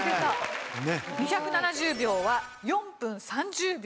２７０秒は４分３０秒。